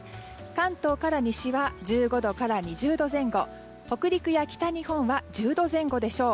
関東から西は１５度から２０度前後北陸や北日本は１０度前後でしょう。